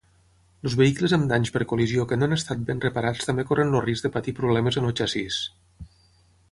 Els vehicles amb danys per col·lisió que no han estat ben reparats també corren el risc de patir problemes en el xassís.